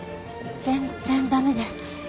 全然駄目です。